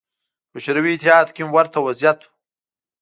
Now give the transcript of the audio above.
په شوروي اتحاد کې هم ورته وضعیت و.